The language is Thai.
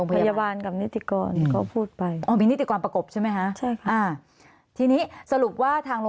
พยาบาลกับนิติกรพยาบาลกับนิติกร